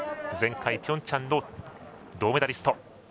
前回ピョンチャンの銅メダリスト。